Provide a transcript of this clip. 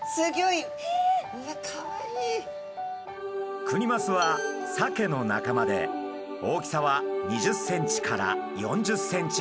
いやクニマスはサケの仲間で大きさは２０ｃｍから４０ｃｍほど。